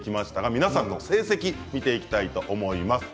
皆さんの成績を見ていきたいと思います。